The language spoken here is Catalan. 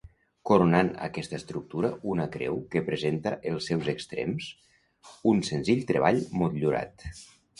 Coronant aquesta estructura una creu que presenta els seus extrems un senzill treball motllurat.